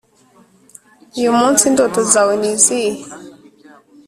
uyu munsi indoto zawe ni izihe?